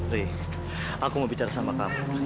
re aku mau bicara sama kamu